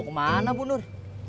mau kemana bunur